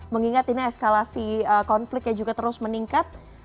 mengingat ini eskalasi konfliknya juga terus meningkat